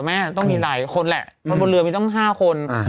มีหลายคนมันบนเรือนมีต้องห้าคน